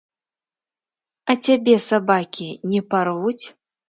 А цябе сабакі не парвуць?